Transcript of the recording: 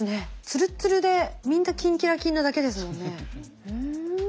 ツルツルでみんなキンキラキンなだけですもんね。